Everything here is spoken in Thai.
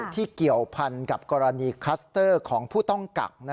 เกี่ยวพันกับกรณีคลัสเตอร์ของผู้ต้องกัก